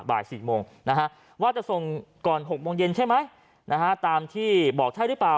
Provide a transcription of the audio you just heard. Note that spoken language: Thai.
บ่าย๔โมงนะฮะว่าจะส่งก่อน๖โมงเย็นใช่ไหมตามที่บอกใช่หรือเปล่า